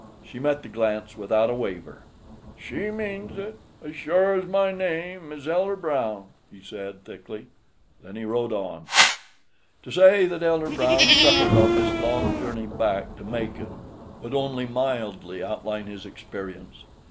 She met the glance without a waver. "She means it, as sure as my name is Elder Brown," he said, thickly. Then he rode on. IV To say that Elder Brown suffered on this long journey back to Macon would only mildly outline his experience.